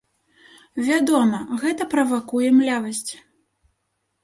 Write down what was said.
Вядома, гэта правакуе млявасць!